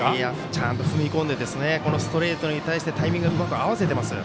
ちゃんと踏み込んでこのストレートに対してタイミング、合わせてます。